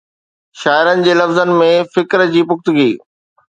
شاعرن جي لفظن ۾ فڪر جي پختگي